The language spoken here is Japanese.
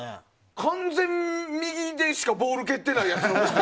完全に右でしかボール蹴ってないやつ。